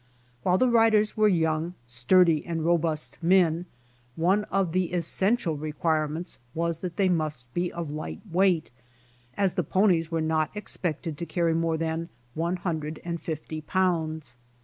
While the riders were young, sturdy and robust men, one of the essential reqiiirements was that they must be of light weight, as the ponies were not expected to carry more than one hundred and fifty pounds.